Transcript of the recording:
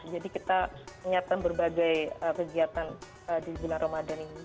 jadi kita penyertaan berbagai kegiatan di bulan ramadan ini